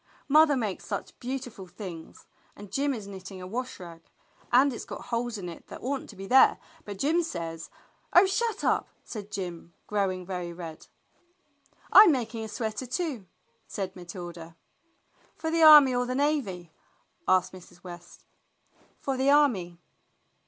"Mother makes such beautiful things, and Jim is knitting a wash rag, and it's got holes in it that ought n't to be there, but Jim says —" "Oh shut up!" said Jim, growing very red. "I'm making a sweater too," said Matilda. "For the army or the navy?" asked Mrs. West. "For the army."